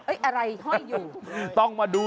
อะไรห้อยอยู่